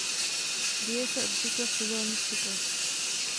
Děje se obvykle v sezónních cyklech.